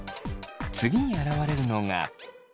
次に現れるのが。